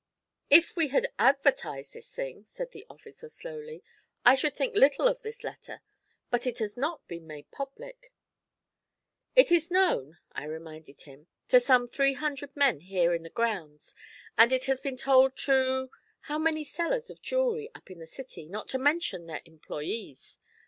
'If we had advertised this thing,' said the officer slowly, 'I should think little of this letter, but it has not been made public.' 'It is known,' I reminded him, 'to some three hundred men here in the grounds, and it has been told to how many sellers of jewellery up in the city, not to mention their employés?